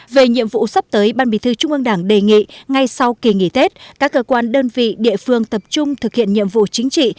về nhiệm vụ sắp tới ban bí thư trung ương đảng đề nghị ngay sau kỳ nghỉ tết các cơ quan đơn vị địa phương tập trung thực hiện nhiệm vụ chính trị